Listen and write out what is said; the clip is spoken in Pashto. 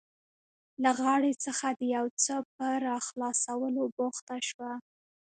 له غاړې څخه د یو څه په راخلاصولو بوخته شوه.